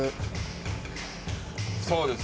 そうです。